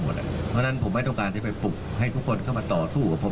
เพราะฉะนั้นผมไม่ต้องการที่ไปปลุกให้ทุกคนเข้ามาต่อสู้กับผม